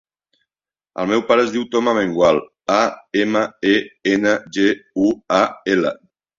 El meu pare es diu Tom Amengual: a, ema, e, ena, ge, u, a, ela.